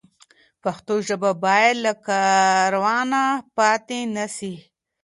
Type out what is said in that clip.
پښتو ژبه باید له کاروانه پاتې نه سي.